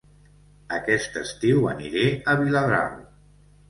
Aquest estiu aniré a Viladrau